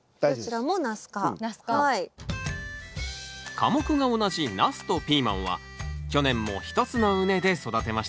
科目が同じナスとピーマンは去年も１つの畝で育てましたね